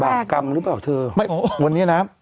บากกรรมหรือเปล่าเธอไม่วันนี่นะครับ